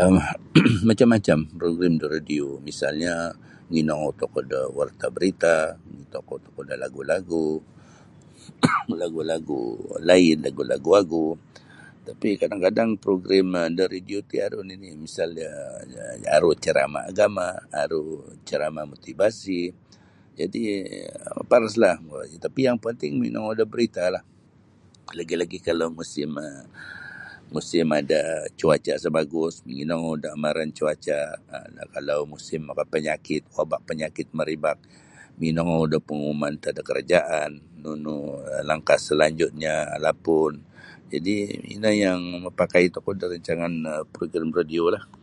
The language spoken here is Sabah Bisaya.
um Macam -macam program da radio misalnya manginongou tokou da warta barita [unintelligible] da lagu-lagu lagu-lagi laid lagu-lagu wagu tapi kadang-kadang program um da radio ti aru nini misalnya um aru caramah agama aru caramah motivasi jadi um maparaslah tapi yang pantin g manginongou da barita lah lagi-lagi kalau musim um musim ada cuaca isa bagus monginongou da amaran cuaca kalau musim maka panyakit wabak panyakit merebak monginongou da pengumuman antad da karajaan nunu langkah salanjutnya lapun jadi ino yang makapakai tokou da rancangan program radio lah.